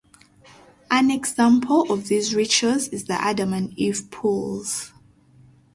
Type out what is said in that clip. An example of these rituals is the Adam and Eve pools.